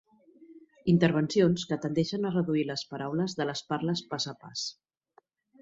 Intervencions que tendeixen a reduir les paraules de les parles pas a pas.